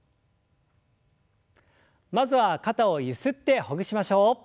まずは肩をゆすってほぐしましょう。